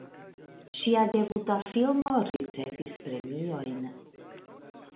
Ŝia debuta filmo ricevis premiojn.